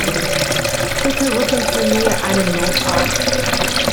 Bitte rufen Sie mir einen Notarzt.